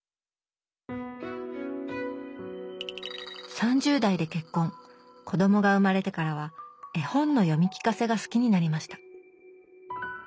３０代で結婚子どもが生まれてからは絵本の読み聞かせが好きになりました